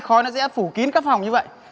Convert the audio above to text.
khói nó sẽ phủ kín các phòng như vậy